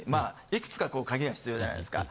いくつか鍵が必要じゃないですか。